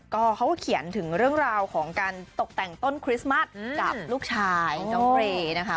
ก็เขาก็เขียนถึงเรื่องราวของการตกแต่งต้นคริสต์มัสกับลูกชายน้องเรย์นะคะ